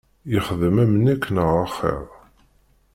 Yexdem am nekk neɣ axir!